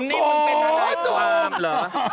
หนุ่มนี่มึงเป็นทางนายความเหรอ